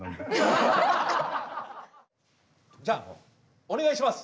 じゃあお願いします。